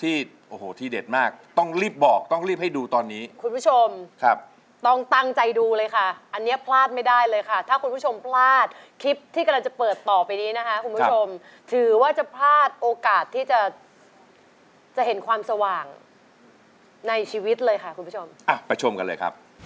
ถ้าคุณผู้ชมพลาดคลิปที่กำลังจะเปิดต่อไปนี้นะคะคุณผู้ชมถือว่าจะพลาดโอกาสที่จะจะเห็นความสว่างในชีวิตเลยค่ะคุณผู้ชมไปชมกันเลยครับ